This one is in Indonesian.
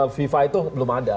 fifa itu belum ada